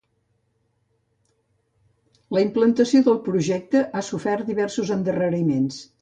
La implantació del projecte ha sofert diversos endarreriments.